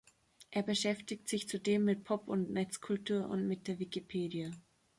Er beschäftigt sich zudem mit Pop- und Netzkultur und mit der Wikipedia.